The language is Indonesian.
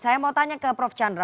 saya mau tanya ke prof chandra